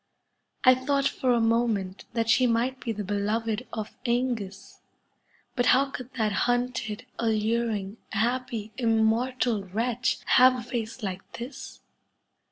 I thought for a moment that she might be the beloved of ^ngus, but how could that hunted, alluring, happy, immortal wretch have a face like this